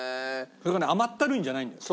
それがね甘ったるいんじゃないんだよ。